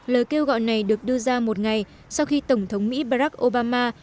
lời kêu gọi này được đưa ra một ngày sau khi tổng thống mỹ barack obama